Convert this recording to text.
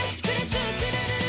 スクるるる！」